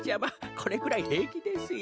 これくらいへいきですよ。